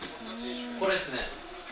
これですね。